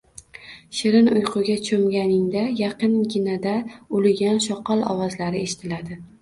Shirin uyquga cho`mganingda yaqinginada uligan shoqol ovozlari eshitiladi